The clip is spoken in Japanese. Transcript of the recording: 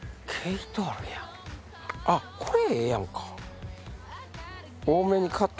これええやんか。